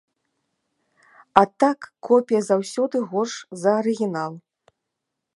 А так, копія заўсёды горш за арыгінал.